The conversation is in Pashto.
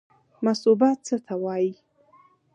مصوبه څه ته وایي؟